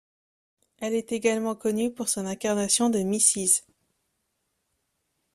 Elle est également connue pour son incarnation de Mrs.